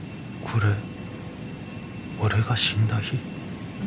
これ俺が死んだ日？